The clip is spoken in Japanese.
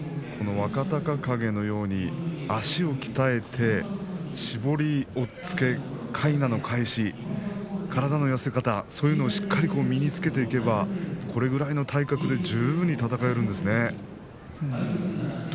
若隆景のように足を鍛えて絞り、押っつけ、かいなの返し体の寄せ方、そういうのをしっかり身につけていけばこれぐらいの体格で十分に戦えるんですね。